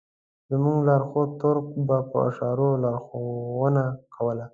زموږ لارښود تُرک به په اشارو لارښوونه کوله.